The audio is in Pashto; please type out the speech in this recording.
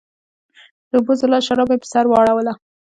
د اوبو زلال شراب مې پر سر واړوله